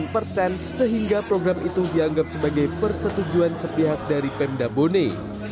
enam sembilan persen sehingga program itu dianggap sebagai persetujuan sepihak dari pem dabone